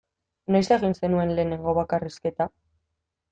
Noiz egin zenuen lehenengo bakarrizketa?